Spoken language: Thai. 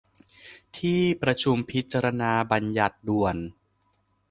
ที่ประชุมพิจารณาญัตติด่วน